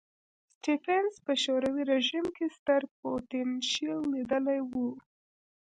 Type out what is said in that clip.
سټېفنس په شوروي رژیم کې ستر پوتنشیل لیدلی و.